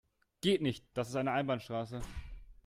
Geht nicht, das ist eine Einbahnstraße.